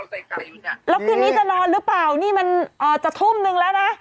แล้วคืนนี้จะนอนหรือเปล่านี่มันจะทุ่มนึงแล้วนะ